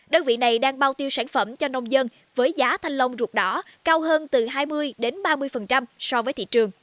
đơn vị này đang bao tiêu sản phẩm cho nông dân với giá thanh long ruột đỏ cao hơn từ hai mươi ba mươi so với thị trường